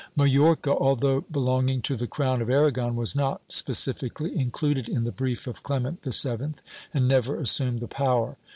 ^ Majorca, although belonging to the crown of Aragon, was not specifically included in the brief of Clement VII, and never assumed the power.